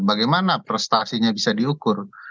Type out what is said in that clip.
bagaimana prestasinya bisa diukur